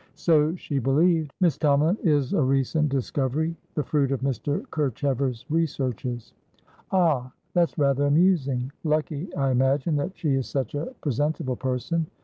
"So she believed. Miss Tomalin is a recent discoverythe fruit of Mr. Kerchever's researches." "Ah! That's rather amusing. Lucky, I imagine, that she is such a presentable person.